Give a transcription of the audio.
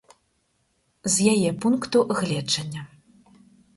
З яе пункту гледжання.